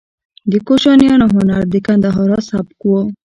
د کوشانیانو هنر د ګندهارا سبک و